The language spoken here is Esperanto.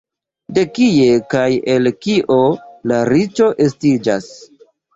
De kie kaj el kio la riĉo estiĝas?